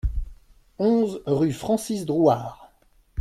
onze rue Francis Drouhard